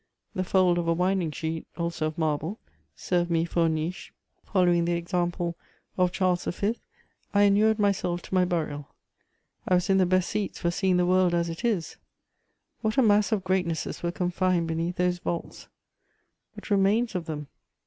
The fold of a winding sheet, also of marble, served me for a niche: following the example of Charles V., I inured myself to my burial. I was in the best seats for seeing the world as it is. What a mass of greatnesses were confined beneath those vaults! What remains of them?